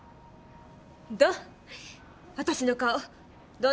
どう？